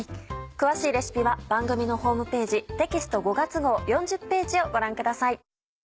詳しいレシピは番組のホームページテキスト５月号４０ページをご覧ください。